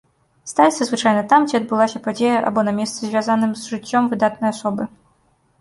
Ставіцца звычайна там, дзе адбылася падзея або на месцы, звязаным з жыццём выдатнай асобы.